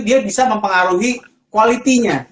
dia bisa mempengaruhi qualitynya